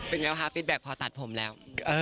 เป็นไงคะฟิตแบ็คพอตัดผมแล้ว